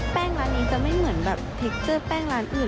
ร้านนี้จะไม่เหมือนแบบเทคเจอร์แป้งร้านอื่น